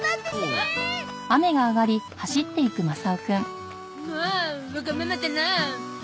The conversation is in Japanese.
んもうわがままだなあ。